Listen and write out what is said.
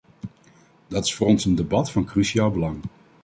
Dit is voor ons een debat van cruciaal belang.